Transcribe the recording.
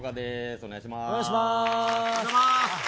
お願いします。